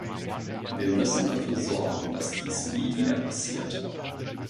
Wir müssen dafür sorgen, dass dies nie wieder passiert.